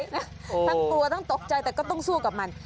ทั้งกลัวทั้งตกใจแต่ก็ต้องสู้กับมัน